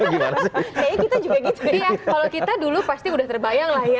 kalau kita dulu pasti udah terbayang lah ya